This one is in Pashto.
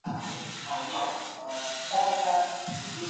ډیپلوماټیک غونډي باید د افغانستان د ګټو لپاره وي.